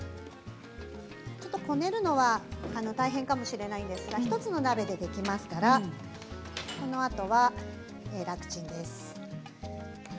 ちょっとこねるのは大変かもしれないんですが１つの鍋で、できますからこのあとは楽ちんです。